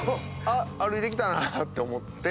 あっ歩いてきたなって思って。